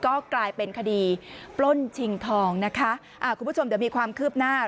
ก็กลายเป็นคดีปล้นชิงทองนะคะอ่าคุณผู้ชมเดี๋ยวมีความคืบหน้า